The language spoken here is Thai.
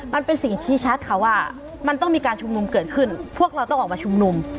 มันเป็นสิ่งชี้ชัดค่ะว่ามันต้องมีการชุมนุมเกิดขึ้นพวกเราต้องออกมาชุมนุม